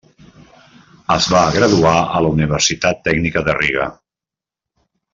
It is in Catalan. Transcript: Es va graduar a la Universitat Tècnica de Riga.